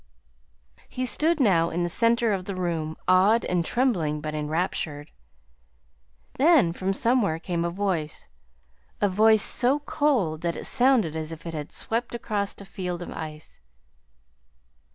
He stood now in the center of the room, awed, and trembling, but enraptured. Then from somewhere came a voice a voice so cold that it sounded as if it had swept across a field of ice.